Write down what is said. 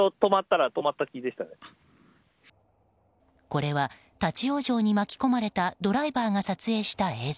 これは立ち往生に巻き込まれたドライバーが撮影した映像。